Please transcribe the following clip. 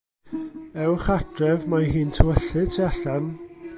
Ewch adref, mae hi'n tywyllu tu allan.